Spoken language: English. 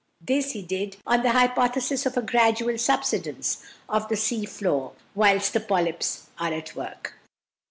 This he did on the hypothesis of a gradual subsidence of the sea floor whilst the polyps are at work.